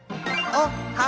おっは！